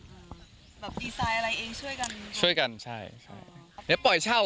ดีไซน์อะไรเองช่วยกันช่วยกันใช่